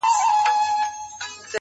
• دلته اوسم.